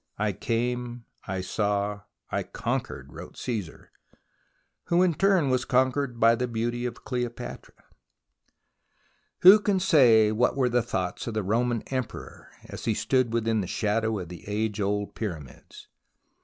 " I came, I saw, I con quered," wrote Caesar, who in turn was conquered by the beauty of Cleopatra Who can say what were the thoughts of the Roman emperor as he stood within the shadow of the age old Pyramids